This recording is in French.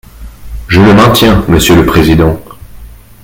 Je le maintiens, monsieur le président.